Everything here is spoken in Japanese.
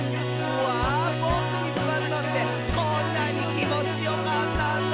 「うわボクにすわるのってこんなにきもちよかったんだ」